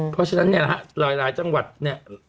เพราะฉะนั้นหลายจังหวัดเนี่ย